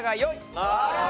ああ。